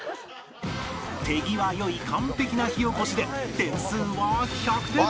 手際良い完璧な火おこしで点数は１００点！